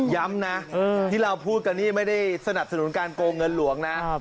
ย้ำนะที่เราพูดกันนี่ไม่ได้สนับสนุนการโกงเงินหลวงนะ